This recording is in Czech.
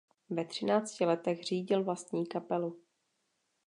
Ve třinácti letech řídil vlastní kapelu.